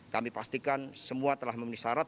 kami pastikan semua telah memenuhi syarat